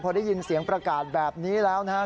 พอได้ยินเสียงประกาศแบบนี้แล้วนะครับ